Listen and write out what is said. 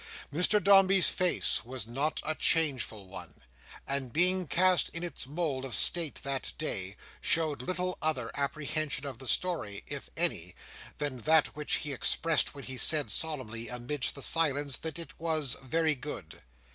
Mr Dombey's face was not a changeful one, and being cast in its mould of state that day, showed little other apprehension of the story, if any, than that which he expressed when he said solemnly, amidst the silence, that it was "Very good."